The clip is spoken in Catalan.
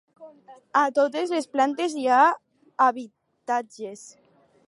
A totes les plantes hi ha habitatges.